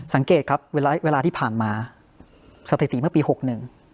สังเกตครับเวลาที่ผ่านมาสถิติเมื่อปี๖นึง